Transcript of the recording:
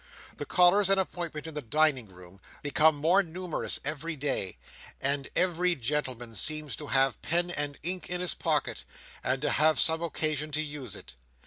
The callers and appointments in the dining room become more numerous every day, and every gentleman seems to have pen and ink in his pocket, and to have some occasion to use it.